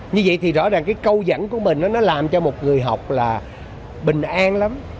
như vậy thì rõ ràng cái câu dẫn của mình nó làm cho một người học là bình an lắm